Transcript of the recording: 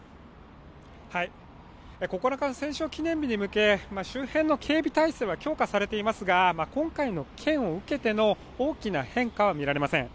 ９日の戦勝記念日に向け周辺の警備態勢は強化されていますが今回の件を受けての、大きな変化は見られません。